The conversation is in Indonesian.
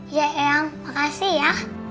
iya eyang makasih ya